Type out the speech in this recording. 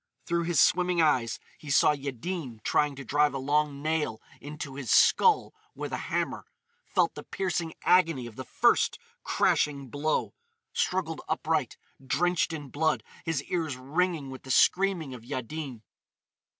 Through his swimming eyes he saw Yaddin trying to drive a long nail into his skull with a hammer,—felt the piercing agony of the first crashing blow,—struggled upright, drenched in blood, his ears ringing with the screaming of Yaddin.